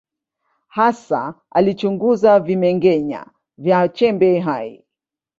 Hasa alichunguza vimeng’enya vya chembe hai.